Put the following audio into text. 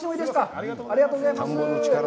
ありがとうございます。